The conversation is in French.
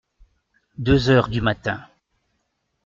Deux heures du matin.